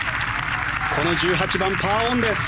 この１８番、パーオンです。